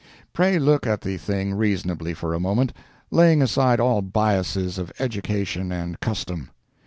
] Pray look at the thing reasonably for a moment, laying aside all biasses of education and custom.